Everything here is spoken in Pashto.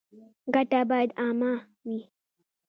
ګټه باید عامه وي